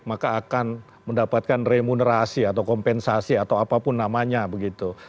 maka akan mendapatkan remunerasi atau kompensasi atau apapun namanya begitu